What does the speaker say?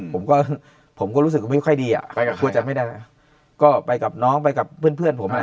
ผมก็รู้สึกไม่ค่อยดีอ่ะกลัวจะไม่ได้ก็ไปกับน้องไปกับเพื่อนผม